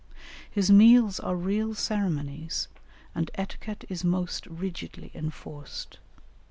His meals are real ceremonies, and etiquette is most rigidly enforced.